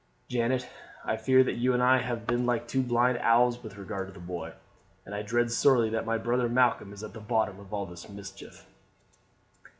Janet, I fear that you and I have been like two blind owls with regard to the boy, and I dread sorely that my brother Malcolm is at the bottom of all this mischief."